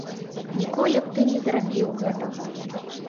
Ніколі б ты не зрабіў гэтага.